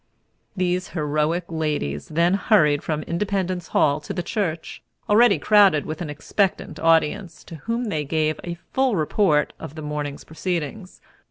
These heroic ladies then hurried from Independence Hall to the church, already crowded with an expectant audience, to whom they gave a full report of the morning's proceedings.